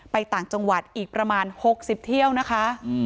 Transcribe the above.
ต่างจังหวัดอีกประมาณ๖๐เที่ยวนะคะ